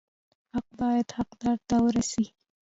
حق باید حقدار ته ورسي